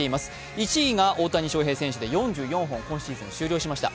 １位が大谷翔平選手で４４本、今シーズン終了しました。